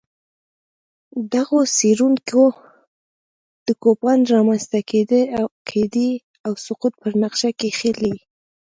دغو څېړونکو د کوپان رامنځته کېدا او سقوط په نقشه کښلي